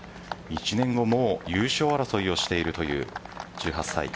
１年後、もう優勝争いをしているという１８歳。